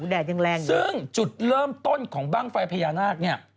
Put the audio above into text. แดดยังแรงอยู่ซึ่งจุดเริ่มต้นของบ้างไฟพญานาคเนี่ย